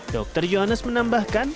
dokter johannes menambahkan